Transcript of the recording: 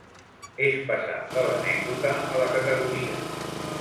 És passar de l'anècdota a la categoria.